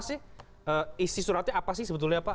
apa sih isi suratnya apa sih sebetulnya